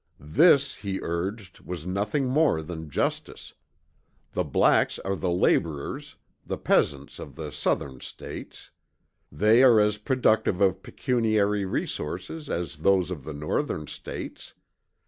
This he urged was nothing more than justice. The blacks are the labourers, the peasants of the Southern States: they are as productive of pecuniary resources as those of the Northern States.